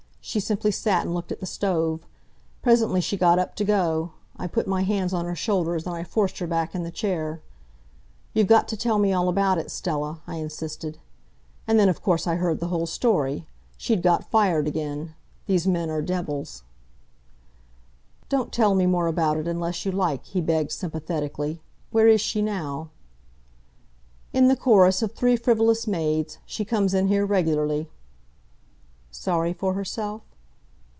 She simply sat and looked at the stove. Presently she got up to go. I put my hands on her shoulders and I forced her back in the chair. "'You've got to tell me all about it, Stella,' I insisted. "And then of course I heard the whole story. She'd got fired again. These men are devils!" "Don't tell me more about it unless you like," he begged sympathetically. "Where is she now?" "In the chorus of 'Three Frivolous Maids.' She comes in here regularly." "Sorry for herself?"